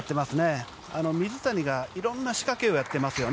水谷がいろんな仕掛けをやってますね。